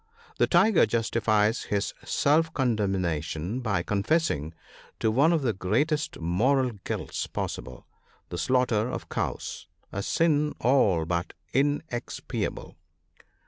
— The tiger justifies his self condemna tion by confessing to one of the greatest moral guilts possible, the slaughter of cows — a sin all but inexpiable.